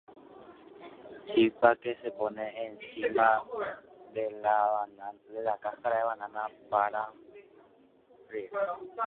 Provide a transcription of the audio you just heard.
chipa oñemboguapýva ojy hag̃ua pakova rogue ári.